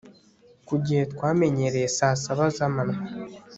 ku gihe twamenyereye saa saba zamanywa